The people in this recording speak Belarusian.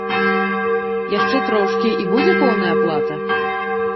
Яшчэ трошкі, і будзе поўная аплата?